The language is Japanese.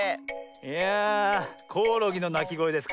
いやあコオロギのなきごえですか。